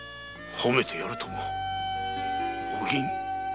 褒めてやるともお銀。